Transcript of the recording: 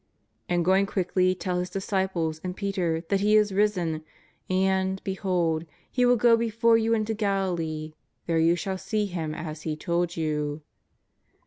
And going quickly tell His disciples and Peter that He is risen, and, behold, He will go before you into Galilee, there you shall see Him as He told you.'